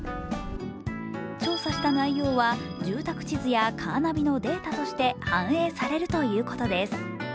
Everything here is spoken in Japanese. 調査した内容は住宅地図やカーナビのデータとして反映されるということです。